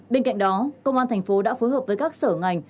bên cạnh đó công an tp hcm đã phối hợp với các sở ngành